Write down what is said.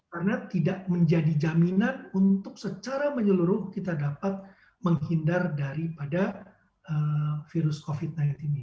karena tidak menjadi jaminan untuk secara menyeluruh kita dapat menghindar daripada virus covid sembilan belas ini